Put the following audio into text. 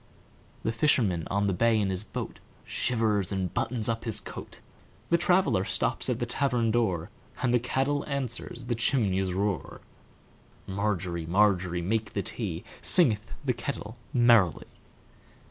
The fisherman on the bay in his boatShivers and buttons up his coat; The traveller stops at the tavern door, And the kettle answers the chimney's roar. Margery, Margery, make the tea, Singeth the kettle merrily.